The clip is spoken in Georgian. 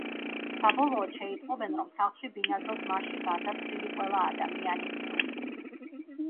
საბოლოოდ შეიტყობენ, რომ სახლში ბინადრობს მასში გარდაცვლილი ყველა ადამიანის სული.